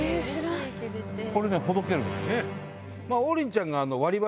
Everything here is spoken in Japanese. これほどけるんです。